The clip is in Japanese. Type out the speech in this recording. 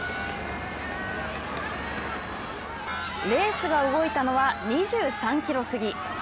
レースが動いたのは２３キロ過ぎ。